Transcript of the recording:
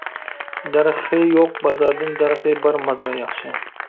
دەرىخى يوق بازاردىن، دەرىخى بار مازار ياخشى.